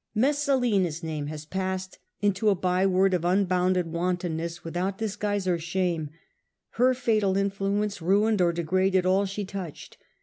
Messalina's name has passed into a byword for un bounded wantonness without disguise or shame. Her fatal influence ruined or degraded all she touched.